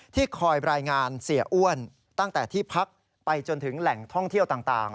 ที่คอยรายงานเสียอ้วนตั้งแต่ที่พักไปจนถึงแหล่งท่องเที่ยวต่าง